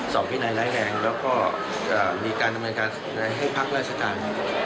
วินัยร้ายแรงแล้วก็มีการดำเนินการให้พักราชการ